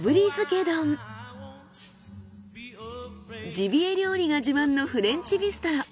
ジビエ料理が自慢のフレンチビストロ。